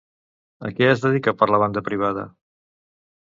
A què es dedica per la banda privada?